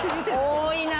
多いな！